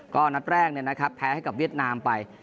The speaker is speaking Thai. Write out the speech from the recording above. ก็นัดแรกแพ้ให้กับเวียดนามไป